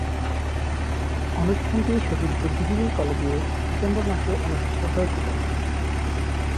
অনুষ্ঠানটি শহীদ বুদ্ধিজীবী কলেজে ডিসেম্বর মাসে অনুষ্ঠিত হয়েছিলো।